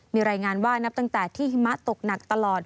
มีรายงานว่านับตั้งแต่ที่หิมะตกหนักตลอด